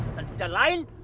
dan kejadian lain